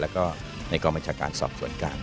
แล้วก็ในกรมรัชการสอบส่วนการ